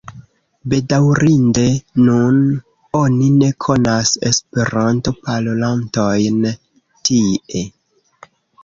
Bedaŭrinde nun oni ne konas Esperanto-parolantojn tie.